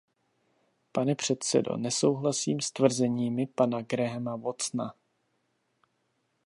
Pane předsedo, nesouhlasím s tvrzeními pana Grahama Watsona.